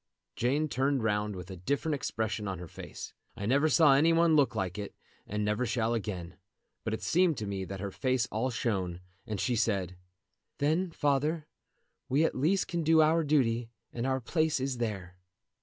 Jane turned round with a different expression on her face. I never saw any one look like it, and never shall again; but it seemed to me that her face all shone, and she said: "Then, father, we at least can do our duty, and our place is there."